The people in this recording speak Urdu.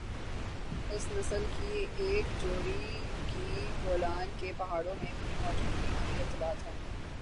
اس نسل کی ایک جوڑی کی بولان کے پہاڑیوں میں بھی موجودگی کی اطلاعات ہے